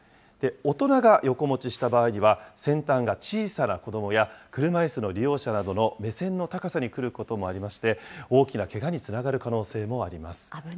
大人がよこ持ちした場合には、先端が小さな子どもや車いすの利用者などの目線の高さに来ることもありまして、大きなけがにつながる可能性もあります。